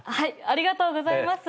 ありがとうございます。